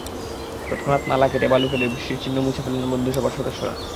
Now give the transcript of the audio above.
তৎক্ষণাৎ নালা কেটে, বালু ফেলে বৃষ্টির চিহ্ন মুছে ফেললেন বন্ধুসভার সদস্যরা।